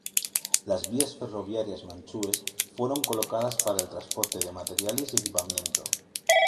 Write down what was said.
Las vías ferroviarias manchúes, fueron colocadas para el transporte de materiales y equipamiento.